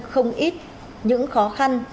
không ít những khó khăn